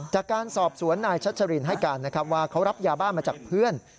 จากการสอบสวนนายชัชรินให้การนะครับว่าเขารับยาบ้ามาจากเพื่อน